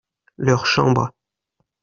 leurs chambres.